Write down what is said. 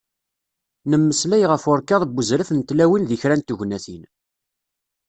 Nemmeslay ɣef urkaḍ n uzref n tmeṭṭut di kra n tegnatin.